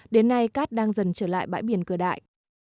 đến nay cát đang dần trở lại bãi biển cửa đại